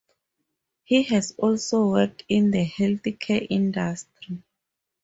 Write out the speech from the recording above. He has also worked in the healthcare industry.